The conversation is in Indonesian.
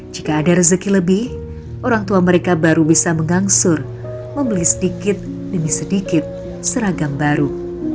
jika ada rezeki lebih orang tua mereka baru bisa mengangsur membeli sedikit demi sedikit seragam baru